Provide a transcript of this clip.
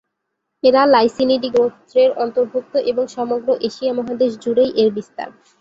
এরা ‘লাইসিনিডি’ গোত্রের অন্তর্ভুক্ত এবং সমগ্র এশিয়া মহাদেশ জুড়েই এর বিস্তার।